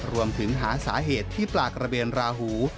รวมถึงหาสาเหตุที่ปลากระเบนราหู